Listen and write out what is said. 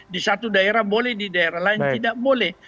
di satu daerah boleh di daerah lain tidak boleh